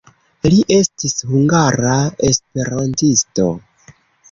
Li estis hungara esperantisto.